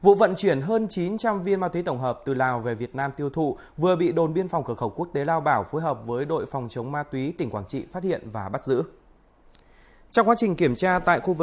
các bạn hãy đăng ký kênh để ủng hộ kênh của chúng mình nhé